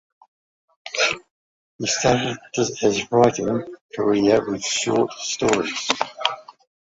He started his writing career with short stories.